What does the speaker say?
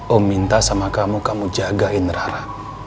om minta sama kamu kamu jagain rara